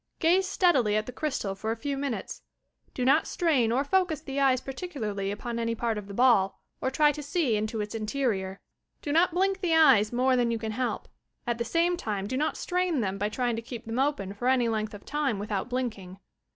Gaze steadily at the crystal for a few minutes ; do not strain or foeua the eyes particularly upon any part of the ball or try to see into its interior. Do not blink the eyes more than you can help ; at the same time do not strain them by trying to keep them open for any length of time without blinking.